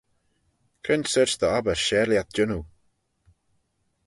Cre'n sorçh dy obbyr share lhiat jannoo?